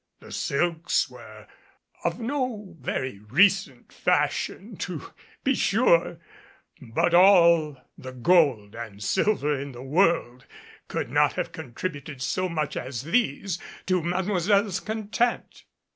The silks were of no very recent fashion to be sure, but all the gold and silver in the world could not have contributed so much as these to Mademoiselle's content.